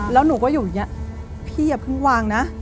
แล้วหนูก็อยู่อย่างนี้